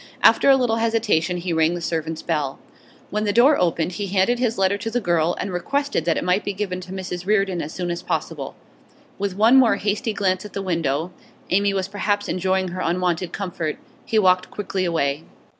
After a little hesitation he rang the servants' bell. When the door opened, he handed his letter to the girl, and requested that it might be given to Mrs Reardon as soon as possible. With one more hasty glance at the window Amy was perhaps enjoying her unwonted comfort he walked quickly away.